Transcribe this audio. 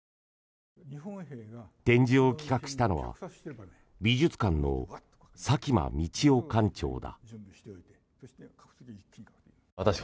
展示を企画したのは美術館の佐喜眞道夫館長だ。